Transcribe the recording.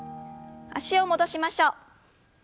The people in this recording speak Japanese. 脚を戻しましょう。